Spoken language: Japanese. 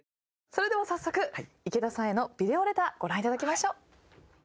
それでは早速池田さんへのビデオレターご覧いただきましょう。